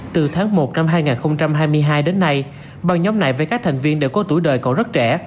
từ tháng một năm hai nghìn hai mươi hai đến nay băng nhóm này với các thành viên đều có tuổi đời còn rất trẻ